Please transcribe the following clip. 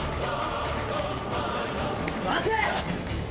待て！